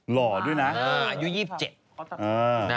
หล่อด้วยนะ